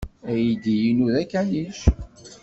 Aydi-inu d akanic.